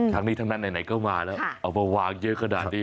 ทั้งนี้ทั้งนั้นไหนก็มาแล้วเอามาวางเยอะขนาดนี้